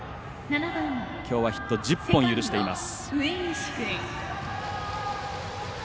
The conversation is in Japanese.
きょうはヒット１０本を許しています。